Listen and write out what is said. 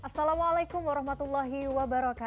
assalamualaikum wr wb